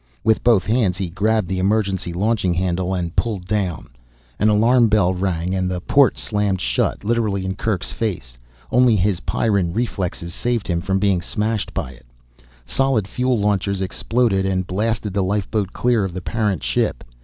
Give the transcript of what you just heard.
With both hands he grabbed the emergency launching handle and pulled down. An alarm bell rang and the port slammed shut, literally in Kerk's face. Only his Pyrran reflexes saved him from being smashed by it. Solid fuel launchers exploded and blasted the lifeboat clear of the parent ship.